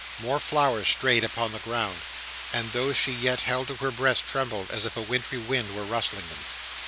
More flowers strayed upon the ground, and those she yet held to her breast trembled as if a wintry wind were rustling them.